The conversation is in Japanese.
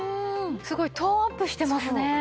すごいトーンアップしてますね。